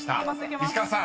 ［石川さん